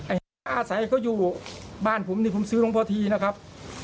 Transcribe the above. ป้าอาศัยเขาอยู่บ้านผมนี่ผมซื้อหลวงพ่อทีนะครับ